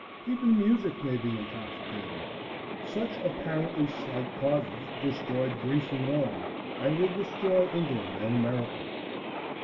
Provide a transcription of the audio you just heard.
Even music may be intoxicating. Such apparently slight causes destroyed Greece and Rome, and will destroy England and America.